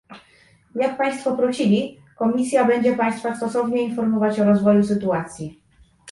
Jak państwo prosili, Komisja będzie państwa stosownie informować o rozwoju sytuacji